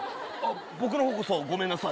僕のほうこそごめんなさい。